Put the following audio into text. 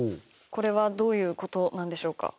これはどういうことなんでしょう。